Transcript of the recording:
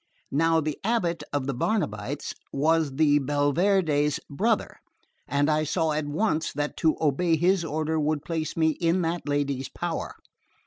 Now the Abbot of the Barnabites was the Belverde's brother, and I saw at once that to obey his order would place me in that lady's power.